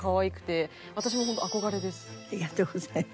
ありがとうございます。